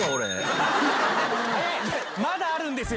まだあるんですよ。